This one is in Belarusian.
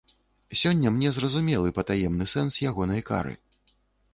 Сёння мне зразумелы патаемны сэнс ягонай кары.